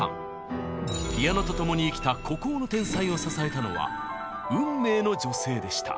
ピアノと共に生きた孤高の天才を支えたのは運命の女性でした。